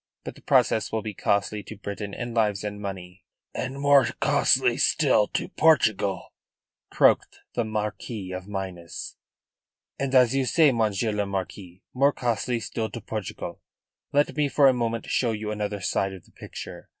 But the process will be costly to Britain in lives and money." "And more costly still to Portugal," croaked the Marquis of Minas. "And, as you, say, Monsieur le Marquis, more costly still to Portugal. Let me for a moment show you another side of the picture.